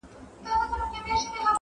پر هر ځای به لکه ستوري ځلېدله.!